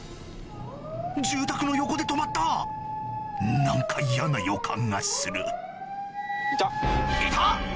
住宅の横で止まった何か嫌な予感がするいた！